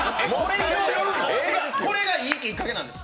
違う、これがいいきっかけなんです。